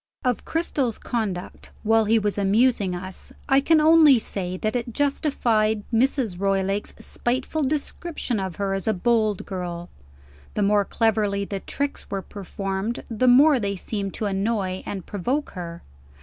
Of Cristel's conduct, while he was amusing us, I can only say that it justified Mrs. Roylake's spiteful description of her as a bold girl. The more cleverly the tricks were performed, the more they seemed to annoy and provoke her.